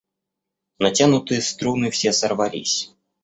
Натянутые струны все сорвались.